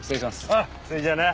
ああそれじゃあな。